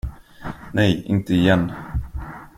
Nej, inte igen.